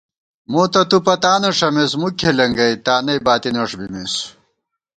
مو تہ تُو پتانہ ݭَمېس مُک کھېلېنگَئ تانَئ باتِینَݭ بِمېس